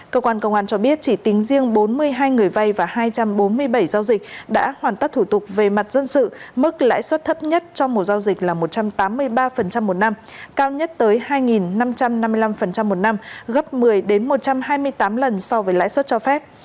cơ quan công an cho biết chỉ tính riêng bốn mươi hai người vay và hai trăm bốn mươi bảy giao dịch đã hoàn tất thủ tục về mặt dân sự mức lãi suất thấp nhất trong mùa giao dịch là một trăm tám mươi ba một năm cao nhất tới hai năm trăm năm mươi năm một năm gấp một mươi một trăm hai mươi tám lần so với lãi suất cho phép